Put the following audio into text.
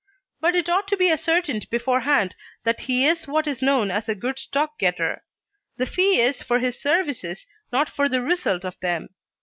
But it ought to be ascertained before hand that he is what is known as a good stock getter. The fee is for his services, not for the result of them.